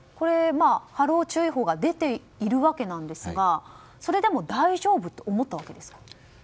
波浪注意報が出ているわけですがそれでも大丈夫って思ったわけですか？